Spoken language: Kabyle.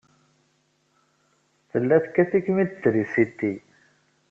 Tella tekkat-ikem-id trisiti.